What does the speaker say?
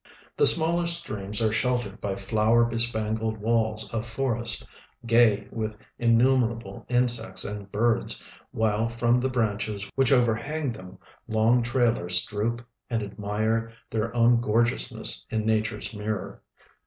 The smaller streams are sheltered by flower bespangled walls of forest, gay with innumerable insects and birds, while from tlie branches which overhang them long trailers droop and admire their own gorgeousness in nature's mirror.